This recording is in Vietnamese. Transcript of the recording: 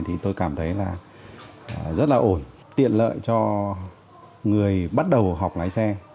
thì tôi cảm thấy là rất là ổn tiện lợi cho người bắt đầu học lái xe